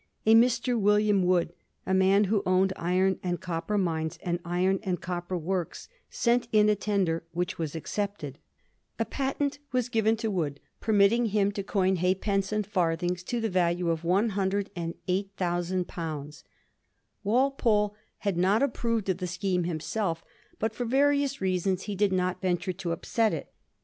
A Mr. William Wood, a man who owned iron and copper mines, and iron and copper works, sent in a tender which was accepted. A patent was given to Wood permitting him to coin halfpence and farthings to the value of one hundred and eight Digiti zed by Google 316 A HISTORY OF THE FOUR GEORGES. ch. xv. thousand pounds. Walpole had not approved of the scheme himself, but for various reasons he did not ventm*e to upset it.